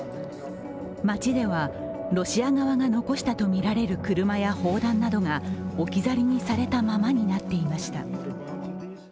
街では、ロシア側が残したとみられる車や砲弾などが置き去りにされたままになっていました。